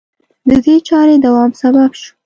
د دې چارې دوام سبب شو